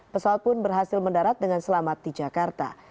pesawat pun berhasil mendarat dengan selamat di jakarta